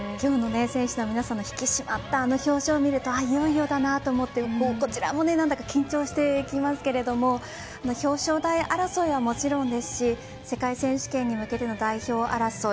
選手の引き締まった表情を見ると、いよいよだなと思ってこちらも緊張してきますけれども表彰台争いはもちろんですし世界選手権に向けての代表争い